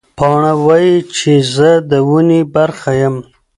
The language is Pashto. پاڼه وایي چې زه د ونې برخه یم.